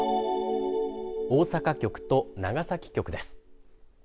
大阪局と長崎局です。